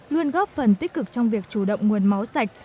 luôn góp phần tích cực trong việc chủ động nguồn máu sạch